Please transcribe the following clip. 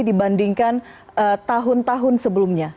dibandingkan tahun tahun sebelumnya